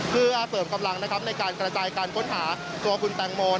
เพื่อเสริมกำลังนะครับในการกระจายการค้นหาตัวคุณแตงโม